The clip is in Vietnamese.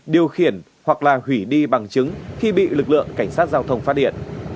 điều khiển hoặc là hủy đi bằng chứng khi bị lực lượng cảnh sát giao thông phát điện